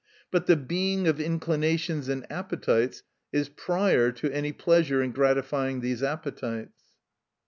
But the Being of inclinations and appetites is prior to any pleasure in gratifying these appetites.